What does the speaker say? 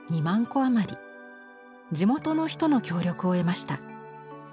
地元の人の協力を得ました。